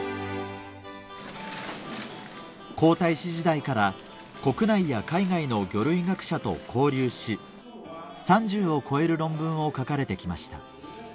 皇太子時代から国内や海外の魚類学者と交流し３０を超える論文を書かれて来ました